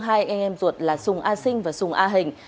hai anh em ruột là sùng a sinh và sùng a hình